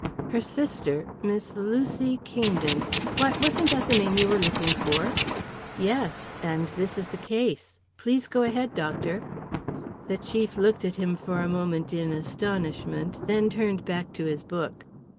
Her sister, Miss Lucy Kingdon why, wasn't that the name you were looking for?" "Yes; and this is the case. Please go ahead, doctor." The chief looked at him for a moment in astonishment, then turned back to his book.